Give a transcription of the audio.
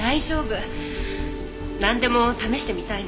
なんでも試してみたいの。